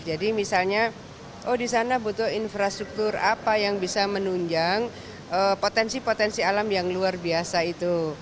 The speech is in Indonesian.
jadi misalnya oh di sana butuh infrastruktur apa yang bisa menunjang potensi potensi alam yang luar biasa itu